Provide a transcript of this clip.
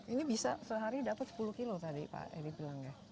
ini bisa sehari dapat sepuluh kilo tadi pak edi bilang ya